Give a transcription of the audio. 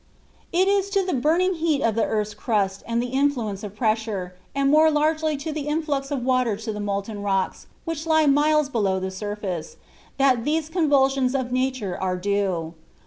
It is to the burning heat of the earth's crust and the influence of pressure, and more largely to the influx of water to the molten rocks which lie miles below the surface, that these convulsions of nature are due.